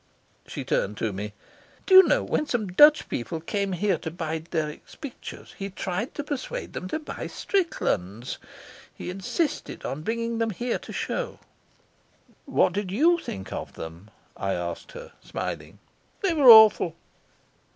She turned to me. "Do you know, when some Dutch people came here to buy Dirk's pictures he tried to persuade them to buy Strickland's? He insisted on bringing them here to show." "What did think of them?" I asked her, smiling. "They were awful."